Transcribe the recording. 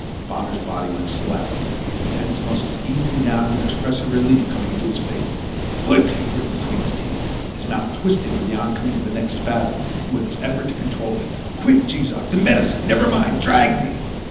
Bonner's body went slack, the tense muscles easing down and an expression of relief coming into his face. "Quick!" he gritted between his teeth, his mouth twisting with the on coming of the next spasm and with his effort to control it. "Quick, Jees Uck! The medicine! Never mind! Drag me!"